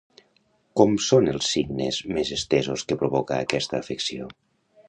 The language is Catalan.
Com són els signes més estesos que provoca aquesta afecció?